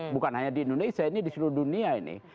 bukan hanya di indonesia ini di seluruh dunia ini